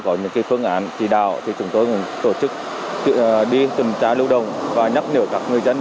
với phương án chỉ đạo thì chúng tôi tổ chức đi tuần tra lưu động và nhắc nhở các người dân